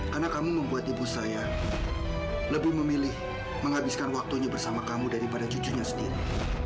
karena kamu membuat ibu saya lebih memilih menghabiskan waktunya bersama kamu daripada cucunya sendiri